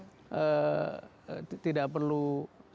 sekarang ini saya seperti dikeroyok oleh banyak orang